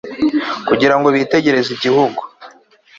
kugira ngo bitegereze igihugu